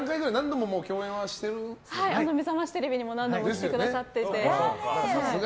「めざましテレビ」でも何度も共演してくださってて。